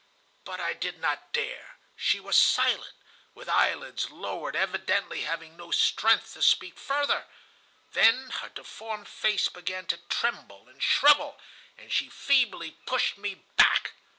"But I did not dare. She was silent, with eyelids lowered, evidently having no strength to speak further. Then her deformed face began to tremble and shrivel, and she feebly pushed me back.